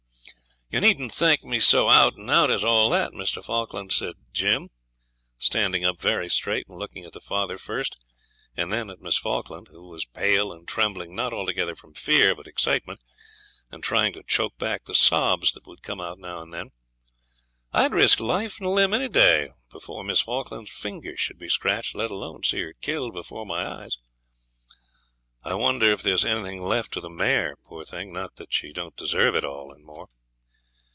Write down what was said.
'You needn't thank me so out and out as all that, Mr. Falkland,' said Jim, standing up very straight and looking at the father first, and then at Miss Falkland, who was pale and trembling, not altogether from fear, but excitement, and trying to choke back the sobs that would come out now and then. 'I'd risk life and limb any day before Miss Falkland's finger should be scratched, let alone see her killed before my eyes. I wonder if there's anything left of the mare, poor thing; not that she don't deserve it all, and more.'